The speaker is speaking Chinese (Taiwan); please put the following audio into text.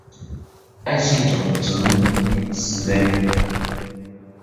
愛是種折磨與慈悲